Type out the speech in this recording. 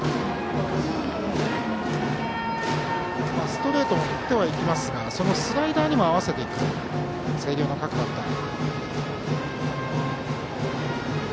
ストレートも振っていきますがそのスライダーにも合わせていく星稜の各バッター。